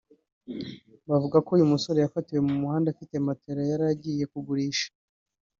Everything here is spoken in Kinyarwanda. bavuga ko uyu musore yafatiwe mu muhanda afite matela yari agiye kugurisha